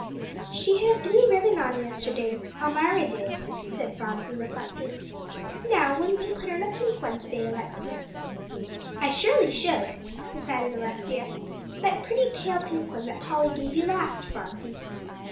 "She had a blue ribbon on yesterday Almira did," said Phronsie, reflecting. "Now, wouldn't you put on a pink one to day, Alexia?" "I surely should," decided Alexia "that pretty pale pink one that Polly gave you last, Phronsie."